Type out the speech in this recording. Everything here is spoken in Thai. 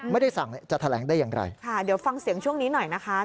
ค่ะเดี๋ยวฟังเสียงช่วงนี้หน่อยนะคะ